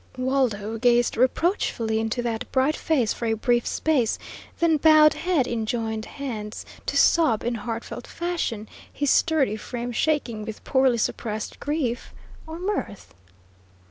Waldo gazed reproachfully into that bright face for a brief space, then bowed head in joined hands, to sob in heartfelt fashion, his sturdy frame shaking with poorly suppressed grief or mirth?